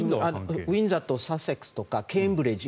ウィンザーとサセックスとかケンブリッジ